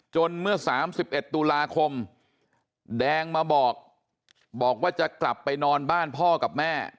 เมื่อ๓๑ตุลาคมแดงมาบอกบอกว่าจะกลับไปนอนบ้านพ่อกับแม่